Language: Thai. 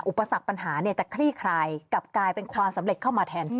อุปสรรคปัญหาจะคลี่คลายกลับกลายเป็นความสำเร็จเข้ามาแทน